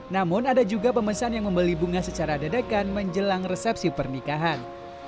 namun ada juga pemesan yang membeli bunga secara dadakan menjelang resepsi pernikahan